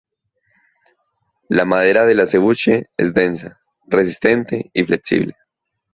La madera del acebuche es densa, resistente y flexible.